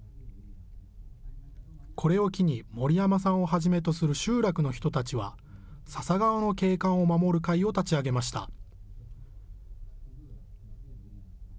これを機に、盛山さんをはじめとする集落の人たちは、笹川の景観を守る会を立ち上げました。